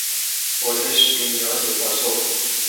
پرسش بی نیاز به پاسخ